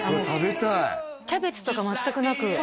食べたいキャベツとか全くなく？